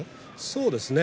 そうですね。